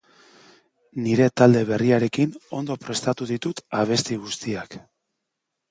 Nire talde berriarekin ondo prestatu ditut abesti guztiak.